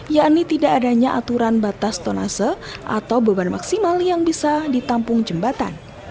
yakni tidak adanya aturan batas tonase atau beban maksimal yang bisa ditampung jembatan